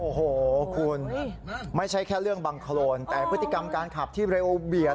โอ้โหคุณไม่ใช่แค่เรื่องบังโครนแต่พฤติกรรมการขับที่เร็วเบียด